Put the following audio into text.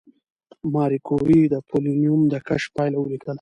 ماري کوري د پولونیم د کشف پایله ولیکله.